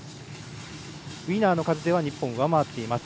ウィナーの数では日本が上回っています。